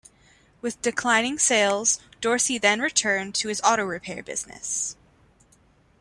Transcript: With declining sales, Dorsey then returned to his auto repair business.